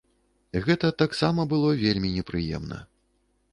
Гэта таксама было вельмі непрыемна.